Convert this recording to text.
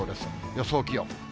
予想気温。